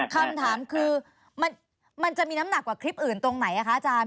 คำถามคือมันจะมีน้ำหนักกว่าคลิปอื่นตรงไหนคะอาจารย์